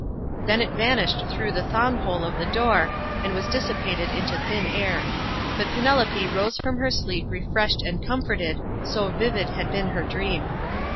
Then it vanished through the thong hole of the door and was dissipated into thin air; but Penelope rose from her sleep refreshed and comforted, so vivid had been her dream.